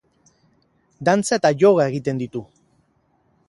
Dantza eta yoga egiten ditu.